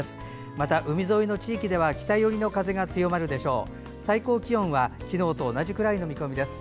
また、海沿いの地域では北寄りの風が強まるでしょう。